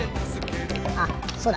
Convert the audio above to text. あそうだ！